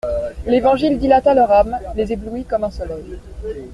L'Évangile dilata leur âme, les éblouit comme un soleil.